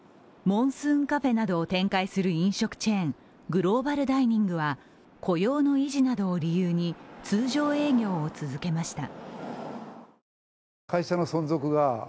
モンスーンカフェなどを展開する飲食チェーン、グローバルダイニングは雇用の維持などを理由に通常営業を続けました。